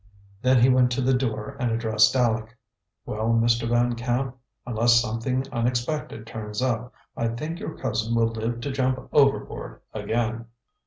Then he went to the door and addressed Aleck. "Well, Mr. Van Camp, unless something unexpected turns up, I think your cousin will live to jump overboard again."